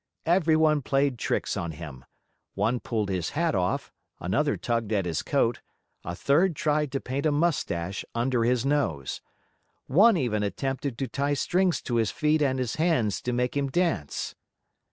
Everyone played tricks on him. One pulled his hat off, another tugged at his coat, a third tried to paint a mustache under his nose. One even attempted to tie strings to his feet and his hands to make him dance.